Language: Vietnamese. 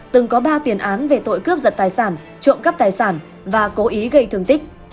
từng có ba tiền án về tội cướp giật tài sản trộm cắp tài sản và cố ý gây thương tích